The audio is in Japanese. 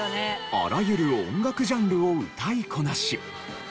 あらゆる音楽ジャンルを歌いこなし